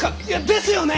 ですよね！